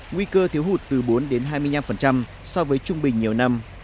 nguy cơ thiếu hụt từ bốn hai mươi năm so với trung bình nhiều năm